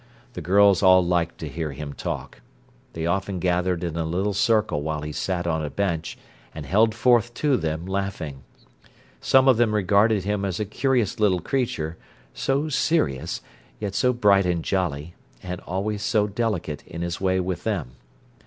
The girls all liked to hear him talk. They often gathered in a little circle while he sat on a bench, and held forth to them, laughing. Some of them regarded him as a curious little creature, so serious, yet so bright and jolly, and always so delicate in his way with them.